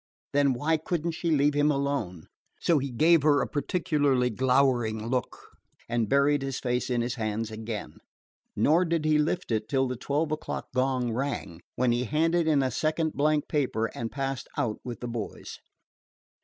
Then why could n't she leave him alone? So he gave her a particularly glowering look and buried his face in his hands again. Nor did he lift it till the twelve o'clock gong rang, when he handed in a second blank paper and passed out with the boys.